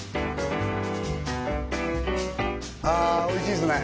あおいしいですね